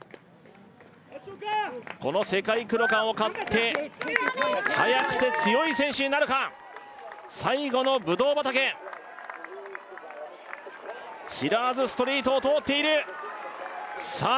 この世界クロカンを勝って速くて強い選手になるか最後のぶどう畑シラーズストリートを通っているさあ